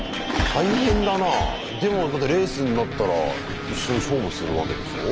でもレースになったら一緒に勝負するわけでしょ？